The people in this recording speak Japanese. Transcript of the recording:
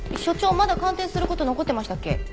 まだ鑑定する事残ってましたっけ？